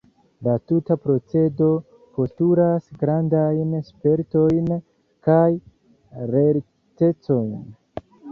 La tuta procedo postulas grandajn spertojn kaj lertecon.